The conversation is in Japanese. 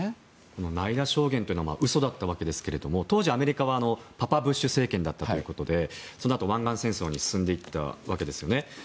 ナイラ証言は嘘だったわけですが当時、アメリカはパパブッシュ政権でそのあと、湾岸戦争に進んでいったわけですよね。